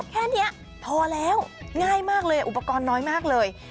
แค่นี้พอแล้วง่ายมากเลยอุปกรณ์น้อยมากเลย